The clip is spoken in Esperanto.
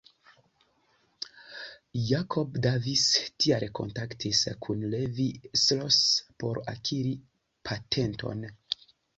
Jacob Davis tial kontaktis kun Levi Strauss por akiri patenton.